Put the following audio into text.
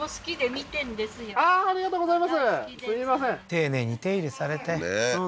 丁寧に手入れされてねえ